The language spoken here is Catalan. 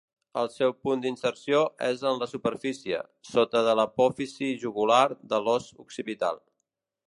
El seu punt d'inserció és en la superfície, sota de l'apòfisi jugular de l'os occipital.